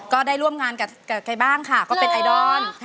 ก็ได้ร่วมงานกับใครบ้างค่ะก็เป็นไอดอล